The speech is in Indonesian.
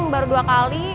baru dua kali